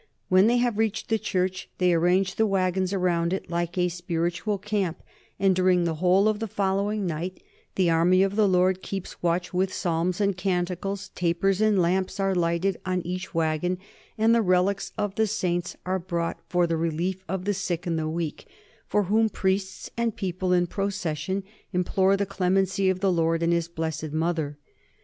... When they have reached the church, they ar range the wagons about it like a spiritual camp, and during the whole of the following night the army of the Lord keeps watch with psalms and canticles, tapers and lamps are lighted on each wagon, and the relics of the saints are brought for the relief of the sick and the weak, for whom priests and people in procession implore the clemency of the Lord and his Blessed Mother.